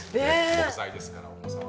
木材ですから重さは。